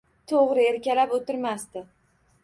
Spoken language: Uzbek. To`g`ri, erkalab o`tirmasdi